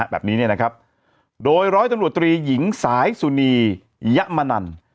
แบบนี้เนี่ยนะครับโดยร้อยตำรวจตรีหญิงสายสุนียะมนัน